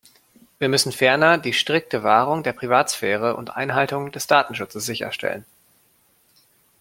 Wir müssen ferner die strikte Wahrung der Privatsphäre und Einhaltung des Datenschutzes sicherstellen.